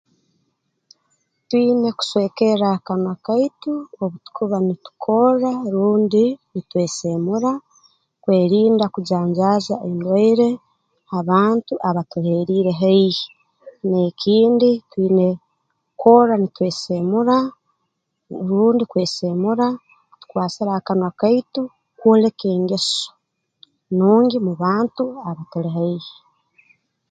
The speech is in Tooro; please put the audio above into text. Twine kuswekerra akanwa kaitu obu tukuba nitukorra rundi nitweseemura kwerinda kujanjaaza endwaire ha bantu abatuheriire haihi n'ekindi twine kukorra nitweseemura rundi kweseemura tukwasire ha kanwa kaitu kwoleka engeso nungi mu bantu abatuli haihi